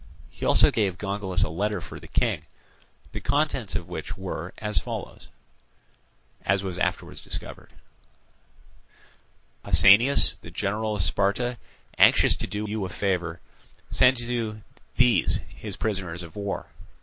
He also gave Gongylus a letter for the King, the contents of which were as follows, as was afterwards discovered: "Pausanias, the general of Sparta, anxious to do you a favour, sends you these his prisoners of war.